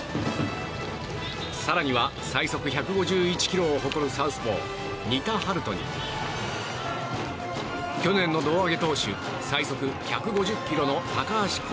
更には最速１５１キロを誇るサウスポー仁田陽翔に去年の胴上げ投手最速１５０キロの高橋煌